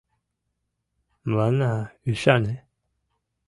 — Мыланна ӱшане!